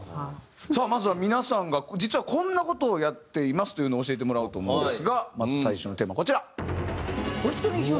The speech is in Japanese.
まずは皆さんが実はこんな事をやっていますというのを教えてもらおうと思うんですがまず最初のテーマこちら。